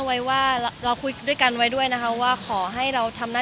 มีปิดฟงปิดไฟแล้วถือเค้กขึ้นมา